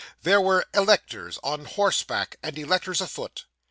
There were electors on horseback and electors afoot.